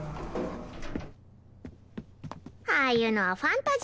ああいうのはファンタジーだよ。